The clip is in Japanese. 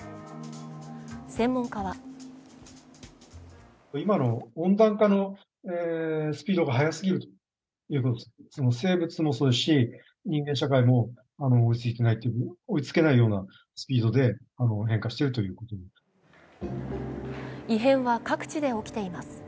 専門家は異変は各地で起きています。